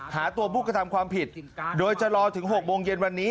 หาตัวผู้กระทำความผิดโดยจะรอถึง๖โมงเย็นวันนี้